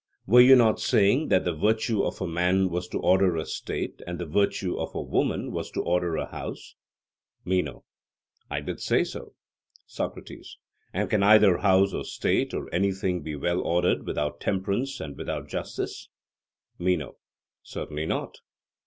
Were you not saying that the virtue of a man was to order a state, and the virtue of a woman was to order a house? MENO: I did say so. SOCRATES: And can either house or state or anything be well ordered without temperance and without justice? MENO: Certainly not.